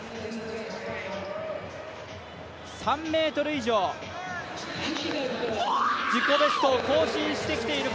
３ｍ以上、自己ベストを更新してきている